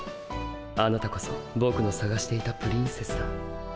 あなたこそぼくのさがしていたプリンセスだ。